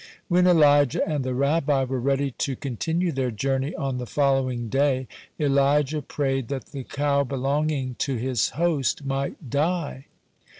When Elijah and the Rabbi were ready to continue their journey on the following day, Elijah prayed that the cow belonging to his host might die.